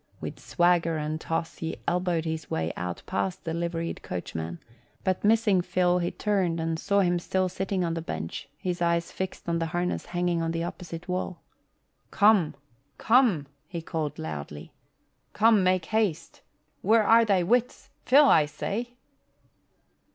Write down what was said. With swagger and toss he elbowed his way out past the liveried coachman; but missing Phil he turned and saw him still sitting on the bench, his eyes fixed on the harness hanging on the opposite wall. "Come, come," he called loudly. "Come, make haste! Where are thy wits? Phil, I say!"